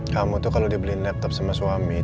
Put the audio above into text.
kamu tuh kalo dibeliin laptop sama suami